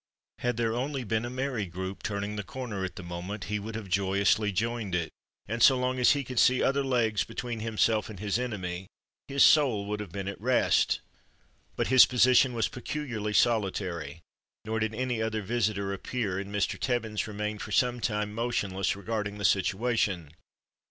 Had there only been a merry group turning the corner at the moment, he would have joyously joined it, and so long as he could see other legs between himself and his enemy his soul would have been at rest. But his position was peculiarly solitary, nor did any other visitor appear, and Mr. Tibbins remained for some time motionless regarding the situation.